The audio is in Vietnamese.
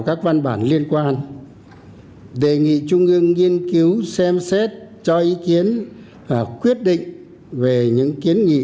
các văn bản liên quan đề nghị trung ương nghiên cứu xem xét cho ý kiến và quyết định về những kiến nghị